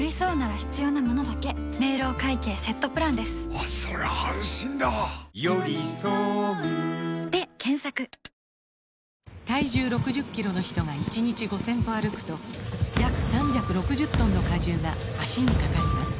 これは体重６０キロの人が１日５０００歩歩くと約３６０トンの荷重が脚にかかります